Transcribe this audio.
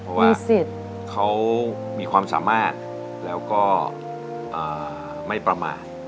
เพราะว่าเขามีความสามารถแล้วก็ไม่ประมาท